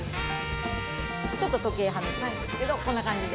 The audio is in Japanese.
ちょっと時計はめてるんですけどこんな感じで。